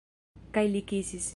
Kaj li kisis.